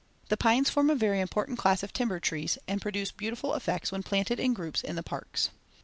The pines form a very important class of timber trees, and produce beautiful effects when planted in groups in the parks.